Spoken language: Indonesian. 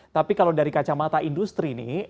tapi kalau dari kacamata industri nih